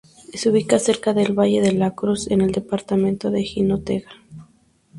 Se ubica cerca del Valle de "La Cruz" en el departamento de Jinotega.